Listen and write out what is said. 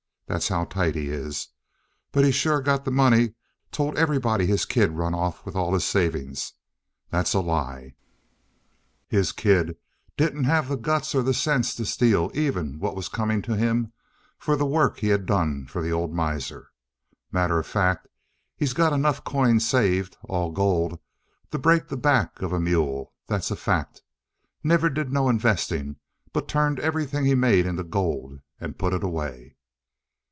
That's how tight he is. But he's sure got the money. Told everybody his kid run off with all his savings. That's a lie. His kid didn't have the guts or the sense to steal even what was coming to him for the work he done for the old miser. Matter of fact, he's got enough coin saved all gold to break the back of a mule. That's a fact! Never did no investing, but turned everything he made into gold and put it away."